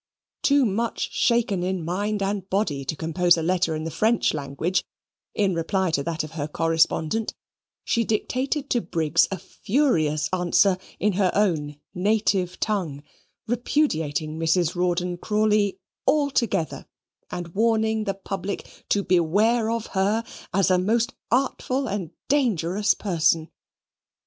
Too much shaken in mind and body to compose a letter in the French language in reply to that of her correspondent, she dictated to Briggs a furious answer in her own native tongue, repudiating Mrs. Rawdon Crawley altogether, and warning the public to beware of her as a most artful and dangerous person.